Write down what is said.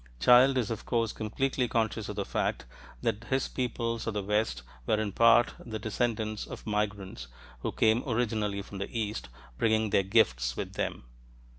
Childe is of course completely conscious of the fact that his "peoples of the West" were in part the descendants of migrants who came originally from the "East," bringing their "gifts" with them.